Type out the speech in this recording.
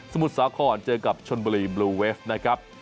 มุทรสาครเจอกับชนบุรีบลูเวฟนะครับ